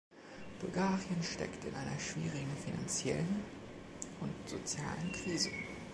Bulgarien steckt in einer schwierigen finanziellen und sozialen Krise.